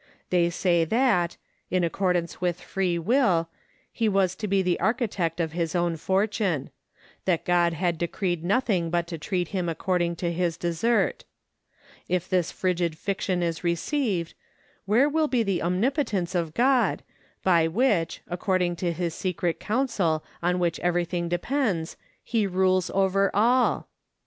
They say that, in accordance with free will, he was to be the architect of his own fortune; that God had decreed nothing but to treat him according to his desert. If this frigid fiction is received, where will be the omnipotence of God, by which, according to his secret counsel on which everything depends, he rules over all?